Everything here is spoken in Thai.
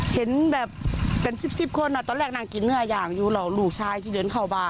ตรงนี้เป็นป้าชาเกา